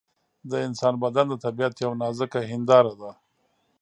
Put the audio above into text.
د انسان بدن د طبیعت یوه نازکه هنداره ده.